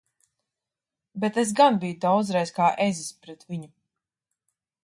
Bet es gan biju daudzreiz kā ezis pret viņu!